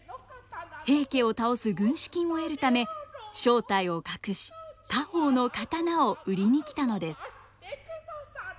平家を倒す軍資金を得るため正体を隠し家宝の刀を売りに来たのです。